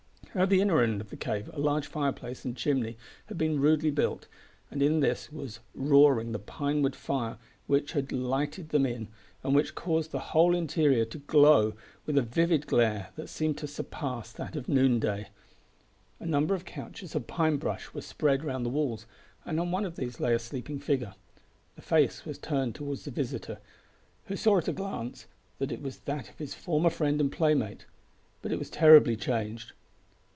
At the inner end of the cave a large fireplace and chimney had been rudely built, and in this was roaring the pine wood fire which had lighted them in, and which caused the whole interior to glow with a vivid glare that seemed to surpass that of noon day. A number of couches of pine brush were spread round the walls, and on one of these lay a sleeping figure. The face was turned towards the visitor, who saw at a glance that it was that of his former friend and playmate but it was terribly changed.